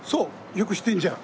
よく知ってんじゃん。